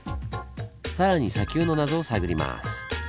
更に砂丘の謎を探ります。